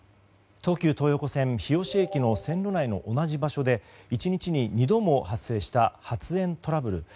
東急東横線日吉駅の線路内の同じ場所で１日に２度も発生した発煙トラブル。